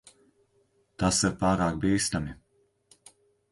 Tas ir pārāk bīstami.